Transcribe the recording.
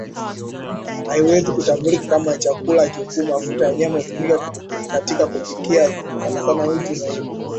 haiwezi kutambulika kama chakula kikuu Mafuta ya nyama hutumika katika kupika sanasana uji mahindi